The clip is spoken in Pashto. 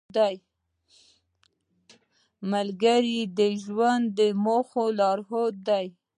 ملګری د ژوند د موخو لارښود دی